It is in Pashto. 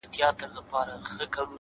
• په دلیل او په منطق ښکلی انسان دی ,